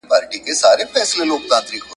د دښمن له فکر او مِکره ناپوهي ده ..